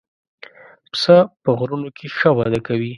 پسه په غرونو کې ښه وده کوي.